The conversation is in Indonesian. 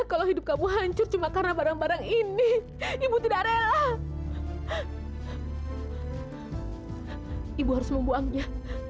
sampai jumpa di video selanjutnya